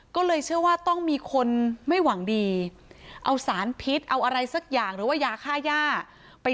ก็เลยเชื่อว่าต้องมีคนไม่หวังดีเอาสารพิษเอาอะไรสักอย่างหรือว่ายาค่าย่าไป